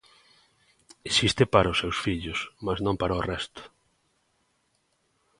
Existe para os seus fillos, mais non para o resto.